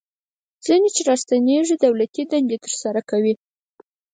ځینې چې راستنیږي دولتي دندې ترسره کوي.